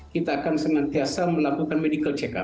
kita akan senantiasa melakukan medical check up